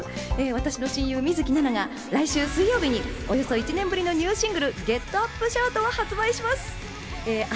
私の親友・水樹奈々が来週水曜日におよそ１年ぶりのニューシングル『Ｇｅｔｕｐ！Ｓｈｏｕｔ！』を発売します。